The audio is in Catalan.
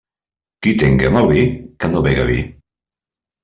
Qui tinga mal vi, que no bega vi.